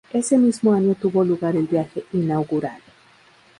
Ese mismo año tuvo lugar el viaje inaugural.